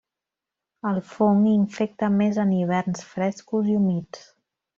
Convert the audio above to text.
El fong infecta més en hiverns frescos i humits.